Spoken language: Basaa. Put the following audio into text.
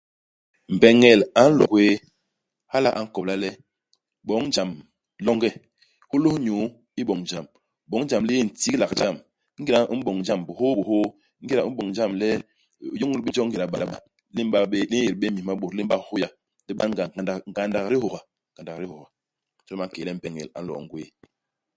Mbeñel a nloo ngwéé. Hala a nkobla le, boñ jam longe. Hôlôs nyuu iboñ jam. Boñ jam li yé ntiglak u jam. Ingéda u m'boñ jam bihôbihôô, ingéda u m'boñ jam le u yôñôl bé jo ngéda banga, li m'ba bé li ñét bé imis ma bôt. Li m'ba hôya. Li ban-ga ngada ngandak i dihôha. Ngandak i dihôha. Jon ba nkélél le mbeñel a nloo ngwéé.